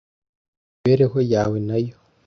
Imibereho yawe nayo!